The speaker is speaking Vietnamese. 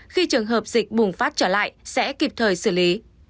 khi trường hợp dịch bùng phát trở lại sẽ kịp thời xử lý